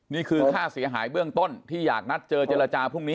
นี่คือค่าเสียหายเบื้องต้นที่อยากนัดเจอเจรจาพรุ่งนี้